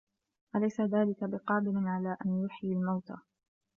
أَلَيسَ ذلِكَ بِقادِرٍ عَلى أَن يُحيِيَ المَوتى